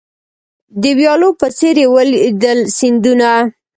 د ویالو په څېر یې ولیدل سیندونه